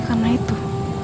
ya karena itu